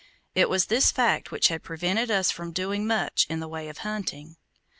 It was this fact which had prevented us from doing much in the way of hunting.